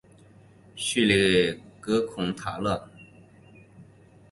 叙里勒孔塔勒。